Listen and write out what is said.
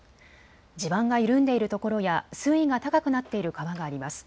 地盤が緩んでいるところや水位が高くなっている川があります。